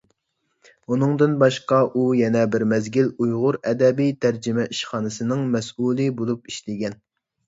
ئۇنىڭدىن باشقا، ئۇ يەنە بىر مەزگىل ئۇيغۇر ئەدەبىي تەرجىمە ئىشخانىسىنىڭ مەسئۇلى بولۇپ ئىشلىگەن.